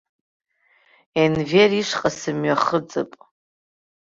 Енвер ишҟа сымҩахыҵып.